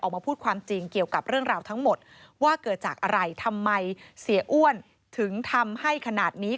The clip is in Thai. ออกมาพูดความจริงเกี่ยวกับเรื่องราวทั้งหมดว่าเกิดจากอะไรทำไมเสียอ้วนถึงทำให้ขนาดนี้